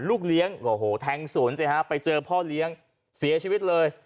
ลูกเลี้ยงโอ้โหแทงสวนสิฮะไปเจอพ่อเลี้ยงเสียชีวิตเลย